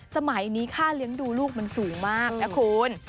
สมัยนี้ค่าเลี้ยงดูลูกมันสูงมากนะคุณ